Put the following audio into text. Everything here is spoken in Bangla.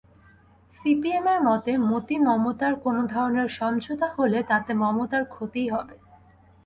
সিপিএমের মতে, মোদি-মমতার কোনো ধরনের সমঝোতা হলে তাতে মমতার ক্ষতিই হবে।